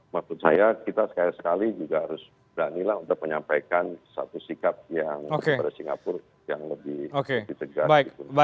maksud saya kita sekali sekali juga harus beranilah untuk menyampaikan satu sikap yang pada singapura yang lebih tegas